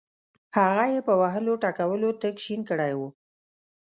هغه یې په وهلو ټکولو تک شین کړی وو.